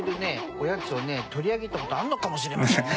おやつをね取り上げた事あるのかもしれませんね